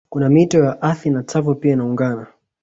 Kuna mito ya Athi na Tsavo pia inaungana